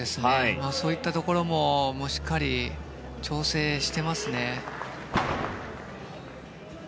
そういったところもしっかり調整してますね。